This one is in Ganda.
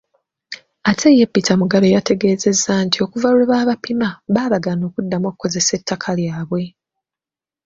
Ate ye Peter Mugabe yategeezezza nti okuva lwe baabapima, baabagaana okuddamu okukozesa ettaka lyabwe.